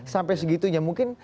sampai segitunya mungkin